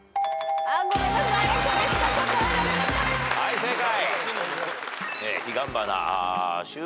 はい正解。